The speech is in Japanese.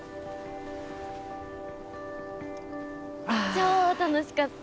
超楽しかった！